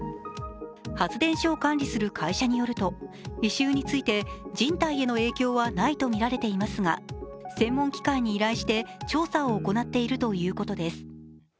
発電所を管理する会社によると異臭について人体への影響はないとみられていますが専門機関に依頼して調査を行っているということです。